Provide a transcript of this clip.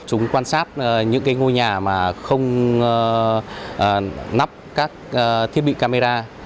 chúng quan sát những ngôi nhà mà không nắp các thiết bị camera